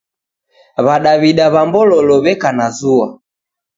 W'adaw'ida wa Mbololo w'eka na zua.